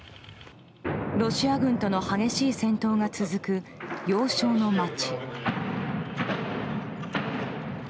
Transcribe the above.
ロシア軍との激しい戦闘が続く要衝の街。